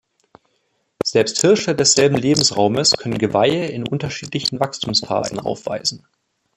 Selbst Hirsche desselben Lebensraumes können Geweihe in unterschiedlichen Wachstumsphasen aufweisen.